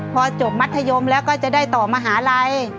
พอจบมัธยมแล้วก็จะได้ต่อมหาลัย